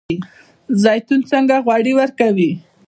زیتون څنګه غوړي ورکوي؟